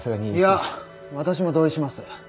いや私も同意します。